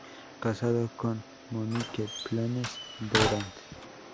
Casado con Monique Planes Durand.